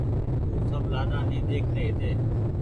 او سب لآڏآ ني ۮيک رهي هيتي